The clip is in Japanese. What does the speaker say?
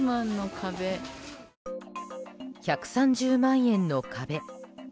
１３０万円の壁。